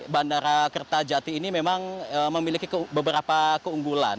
bandara kertajati ini memang memiliki beberapa keunggulan